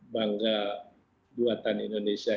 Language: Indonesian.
bangga buatan indonesia